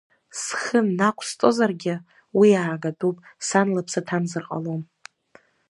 Схы нақәсҵозаргьы, уи аагатәуп, сан лыԥсы ҭамзар ҟалом.